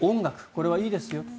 これはいいですよと。